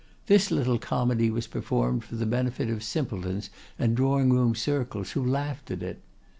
This little comedy was performed for the benefit of simpletons and drawing room circles, who laughed at it.